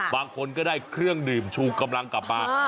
บางคนก็ได้เครื่องดื่มชูกำลังกลับมา